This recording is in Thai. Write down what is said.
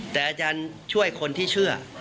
แต่อาจารย์ช่วยคนที่เชื่อ